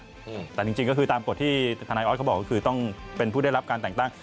รับป้อบอำนาจแต่จริงก็คือตามกฎที่ฐานายออสเขาบอกคือต้องเป็นผู้ได้รับการแต่งตั้ง